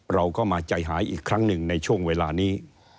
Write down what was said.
เราก็มาใจหายอีกครั้งหนึ่งในช่วงเวลานี้